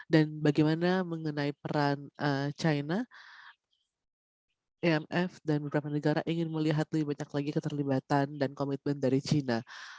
dan bagaimana mengenai peran china imf dan beberapa negara ingin melihat lebih banyak lagi keterlibatan dan komitmen dari china